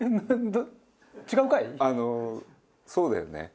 そうだよね。